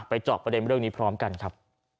เจาะประเด็นเรื่องนี้พร้อมกันครับ